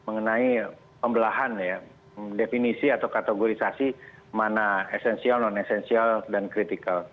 mengenai pembelahan ya definisi atau kategorisasi mana esensial non esensial dan kritikal